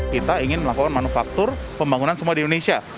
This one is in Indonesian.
kita ingin melakukan manufaktur pembangunan semua di indonesia